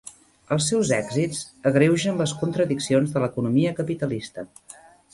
Els seus èxits agreugen les contradiccions de l'economia capitalista.